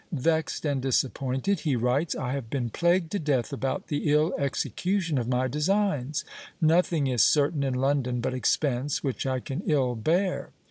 Vexed and disappointed, he writes, "I have been plagued to death about the ill execution of my designs. Nothing is certain in London but expense, which I can ill bear."